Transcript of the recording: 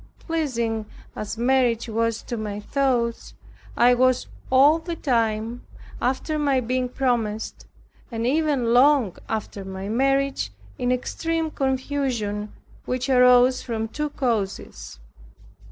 Pleasing as marriage was to my thoughts, I was all the time, after my being promised, and even long after my marriage, in extreme confusion, which arose from two causes.